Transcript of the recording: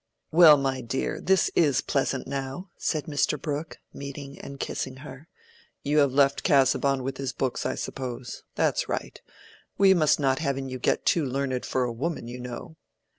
"Well, my dear, this is pleasant, now," said Mr. Brooke, meeting and kissing her. "You have left Casaubon with his books, I suppose. That's right. We must not have you getting too learned for a woman, you know."